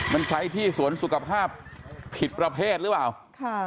มันใช้ที่สวนสุขภาพผิดประเภทหรือเปล่าค่ะ